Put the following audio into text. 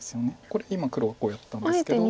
これ今黒こうやったんですけど。